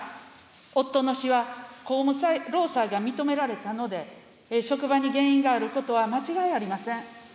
夫の死は公務労災が認められたので、職場に原因があることは間違いありません。